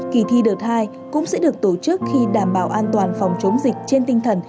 kỳ thi đợt hai cũng sẽ được tổ chức khi đảm bảo an toàn phòng chống dịch trên tinh thần